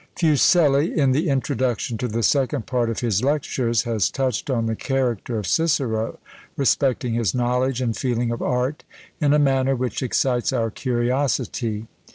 Fuseli, in the introduction to the second part of his Lectures, has touched on the character of Cicero, respecting his knowledge and feeling of Art, in a manner which excites our curiosity.